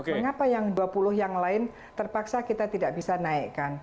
mengapa yang dua puluh yang lain terpaksa kita tidak bisa naikkan